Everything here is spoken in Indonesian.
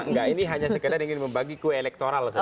enggak ini hanya sekedar ingin membagi kue elektoral saja